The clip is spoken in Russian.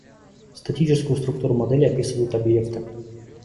Статическую структуру модели описывают объекты